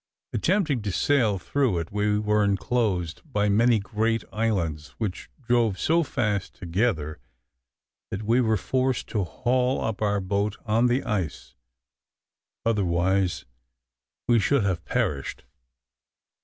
Attempting to sail through it, we were enclosed by many great islands, which drove so fast together, that we were forced to haul up our boat on the ice, otherwise we should have perished.